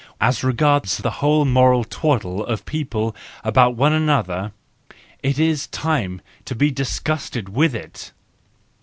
As regards the whole moral twaddle of people about one another, it is time to be disgusted with it!